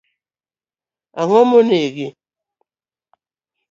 Ango monege.